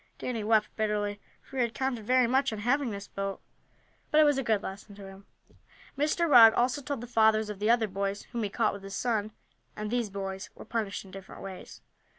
Danny wept bitterly, for he had counted very much on having this boat. But it was a good lesson to him. Mr. Rugg also told the fathers of the other boys whom he caught with his son, and these boys were punished in different ways.